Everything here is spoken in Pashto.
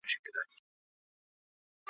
له ګوښې یې ښایسته مرغۍ څارله .